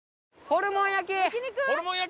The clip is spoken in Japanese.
ホルモン焼？